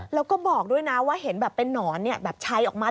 แล้วก็บอกด้วยนะว่าเห็นแบบเป็นนอนแบบชัยออกมา